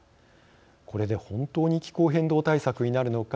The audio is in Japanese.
これで本当に気候変動対策になるのか。